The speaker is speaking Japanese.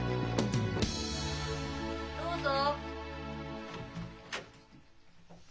どうぞ！